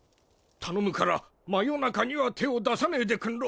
頼むから魔夜中には手を出さねえでくんろ！